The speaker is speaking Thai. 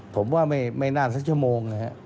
ผมว่าไม่น่าสักชั่วโมงนะครับ